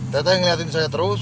teteh ngeliatin saya terus